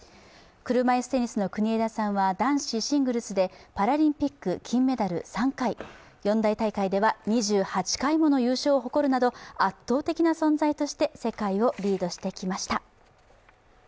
車いすテニスの国枝さんは、男子シングルスでパラリンピック金メダル３回、四大大会では２８回もの優勝を誇るなど圧倒的な存在として世界をリードしてきました。